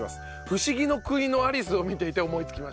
『不思議の国のアリス』を見ていて思いつきました。